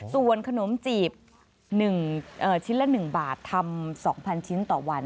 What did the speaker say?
ส่วนขนมจีบชิ้นละ๑บาททำ๒๐๐ชิ้นต่อวัน